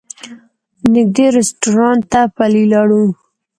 نږدې رسټورانټ ته پلي لاړو.